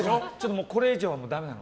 これ以上はだめなの。